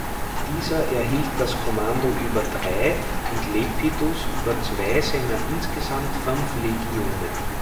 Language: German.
Dieser erhielt das Kommando über drei und Lepidus über zwei seiner insgesamt fünf Legionen.